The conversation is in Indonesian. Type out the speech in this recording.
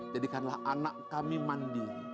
jadikanlah anak kami mandiri